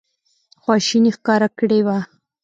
خواشیني ښکاره کړې وه.